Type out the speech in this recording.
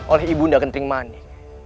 oleh ibunda gentring manik